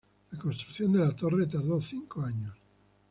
La construcción de la torre tardó cinco años.